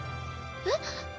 えっ？